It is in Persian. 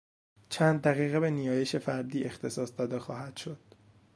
چند دقیقه به نیایش فردی اختصاص داده خواهد شد.